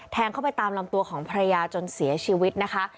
เข้าไปตามลำตัวของภรรยาจนเสียชีวิตนะคะ